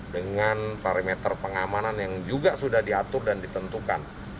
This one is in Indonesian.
dengan parameter pengamanan yang juga sudah diatur dan ditentukan